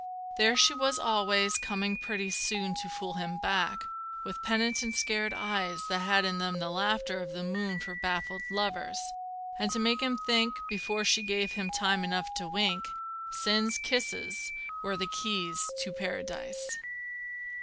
There she was always coming pretty soon To fool him back, with penitent scared eyes That had in them the laughter of the moon For baffled lovers, and to make him think Before she gave him time enough to wink Sin's kisses were the keys to Paradise.